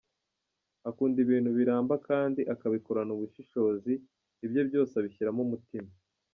Akunda ibintu biramba kandi akabikorana ubushishozi , ibye byose abishyiraho umutima.